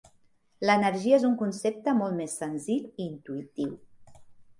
L'energia és un concepte molt més senzill i intuïtiu.